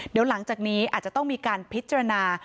เดี๋ยวหลังจากนี้อาจจะต้องมีการพิจารณา